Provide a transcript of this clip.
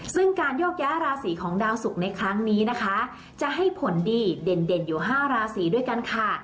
ซึ่งการโยกย้ายราศีของดาวสุกในครั้งนี้นะคะจะให้ผลดีเด่นอยู่๕ราศีด้วยกันค่ะ